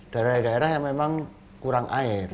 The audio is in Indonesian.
daerah daerah yang memang kurang air